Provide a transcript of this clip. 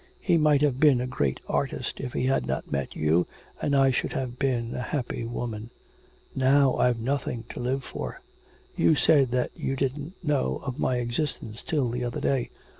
He might have been a great artist if he had not met you and I should have been a happy woman. Now I've nothing to live for.... You said that you didn't know of my existence till the other day.